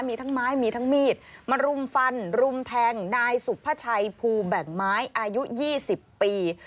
มีทั้งไม้มีทั้งมีดมารุมฟันรุมแทงนายสุภาชัยภูแบ่งไม้อายุ๒๐ปี